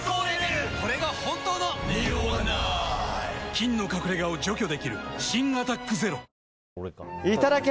菌の隠れ家を除去できる新「アタックＺＥＲＯ」いただき！